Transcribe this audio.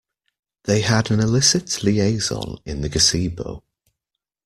They had an illicit liaison in the gazebo.